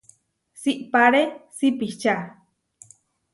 Siʼpáre sipiča.